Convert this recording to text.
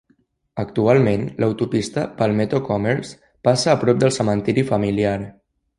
Actualment, l'autopista Palmetto Commerce passa a prop del cementiri familiar.